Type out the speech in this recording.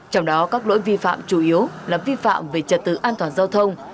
trong đó các lỗi vi phạm chủ yếu là vi phạm về trật tự an toàn giao thông